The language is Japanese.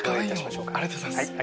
ありがとうございます。